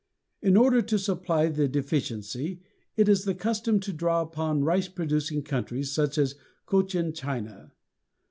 In order to supply the deficiency, it is the custom to draw upon rice producing countries, such as Cochin China.